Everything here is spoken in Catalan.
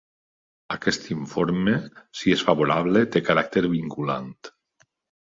Aquest informe, si és desfavorable, té caràcter vinculant.